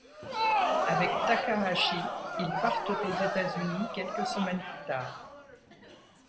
Avec Takahashi, ils partent aux États-Unis quelques semaines plus tard.